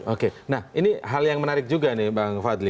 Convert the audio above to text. oke nah ini hal yang menarik juga nih bang fadli